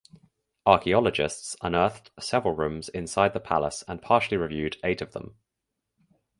Archaeologists unearthed several rooms inside the palace and partially reviewed eight of them.